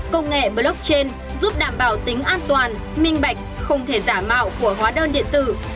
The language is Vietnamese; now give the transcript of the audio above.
công nghệ blockchain giúp đảm bảo tính an toàn minh bạch không thể giả mạo của hóa đơn điện tử